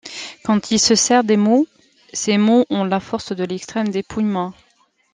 Quand il se sert des mots, ses mots ont la force de l'extrême dépouillement.